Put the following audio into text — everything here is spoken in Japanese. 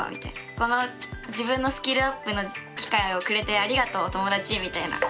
この自分のスキルアップの機会をくれてありがとう友達！みたいな。